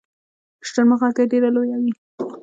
د شترمرغ هګۍ ډیره لویه وي